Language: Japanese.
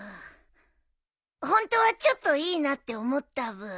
ホントはちょっといいなって思ったブー。